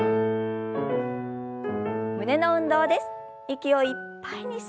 胸の運動です。